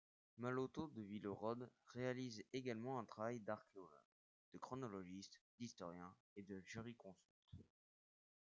Malotau de Villerode réalise également un travail d'archéologue, de chronologiste, d'historien et de jurisconsulte.